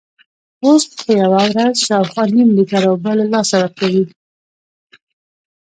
پوست په یوه ورځ شاوخوا نیم لیټر اوبه له لاسه ورکوي.